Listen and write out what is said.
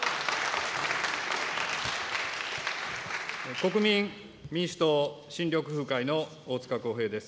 国民民主党・新緑風会の大塚耕平です。